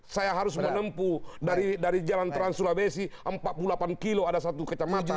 saya harus menempuh dari jalan trans sulawesi empat puluh delapan kilo ada satu kecamatan